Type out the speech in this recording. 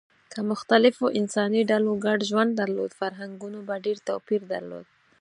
که مختلفو انساني ډلو ګډ ژوند درلود، فرهنګونو به ډېر توپیر درلود.